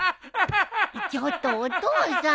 ちょっとお父さん。